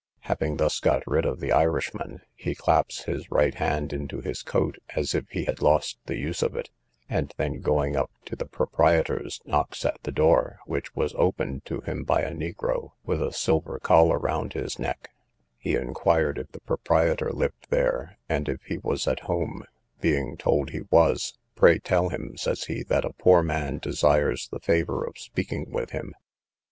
—Having thus got rid of the Irishman, he claps his right hand into his coat, as if he had lost the use of it; and then, going up to the proprietor's, knocks at the door, which was opened to him by a negro, with a silver collar round his neck: he inquired if the proprietor lived there, and if he was at home: being told he was, Pray tell him, says he, that a poor man desires the favour of speaking with him.